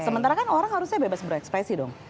sementara kan orang harusnya bebas berekspresi dong